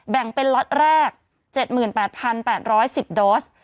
แบ่งเป็นล็อตแรก๗๘๘๑๐โดส